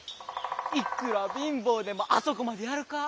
いくら貧乏でもあそこまでやるか？